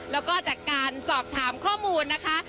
แล้วก็จากการสอบถามข้อมูลนะคะ